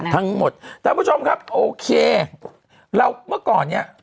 ทั้งหมดท่านผู้ชมครับโอเคเราเมื่อก่อนเนี่ย